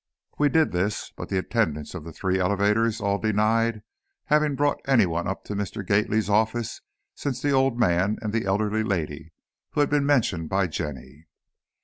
We did this, but the attendants of the three elevators all denied having brought anyone up to Mr. Gately's offices since the old man and the elderly lady who had been mentioned by Jenny.